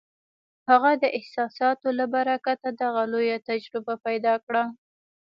هغه د احساساتو له برکته دغه لویه تجربه پیدا کړه